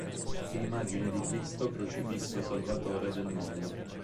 È immagine di Cristo crocifisso Salvatore del Mondo.